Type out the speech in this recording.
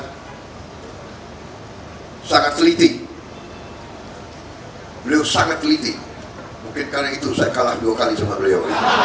hai sangat teliti hai beliau sangat teliti mungkin karena itu saya kalah dua kali sama beliau